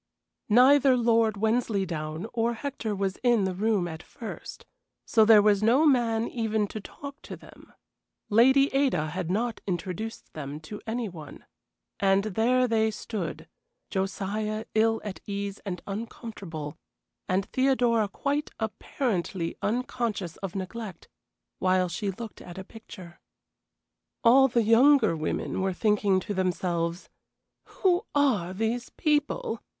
Neither Lord Wensleydown or Hector was in the room at first, so there was no man even to talk to them. Lady Ada had not introduced them to any one. And there they stood: Josiah ill at ease and uncomfortable, and Theodora quite apparently unconscious of neglect, while she looked at a picture. All the younger women were thinking to themselves: "Who are these people?